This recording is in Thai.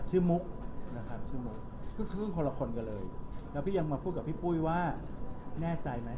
ชื่อมุกคือคนละคนกันเลยแล้วพี่ยังมาพูดกับพี่ปุ้ยว่าแน่ใจไหม